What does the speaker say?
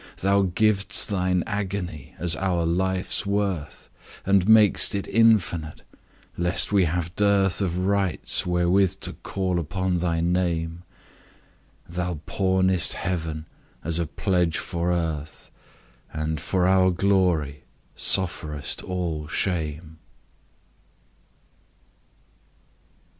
Thou giv'st Thine agony as our life's worth, And mak'st it infinite, lest we have dearthOf rights wherewith to call upon thy Name; Thou pawnest Heaven as a pledge for Earth, And for our glory sufferest all shame.